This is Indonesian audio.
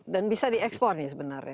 dan bisa diekspor ya sebenarnya